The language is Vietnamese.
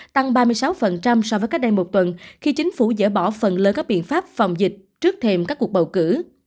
tăng ba mươi sáu so với cách đây một tuần khi chính phủ dỡ bỏ phần lớn các biện pháp phòng dịch trước thêm các cuộc bầu cử